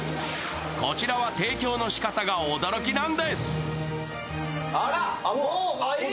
こちらは提供のしかたが驚きなんです。